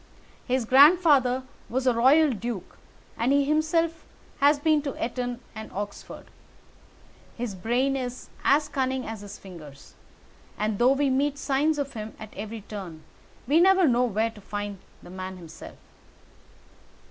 His grandfather was a royal duke, and he himself has been to Eton and Oxford. His brain is as cunning as his fingers, and though we meet signs of him at every turn, we never know where to find the man himself.